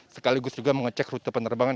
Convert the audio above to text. sekaligus juga mengecek rute penerbangan